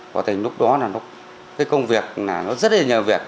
có thể lúc đó là lúc công việc rất là nhờ việc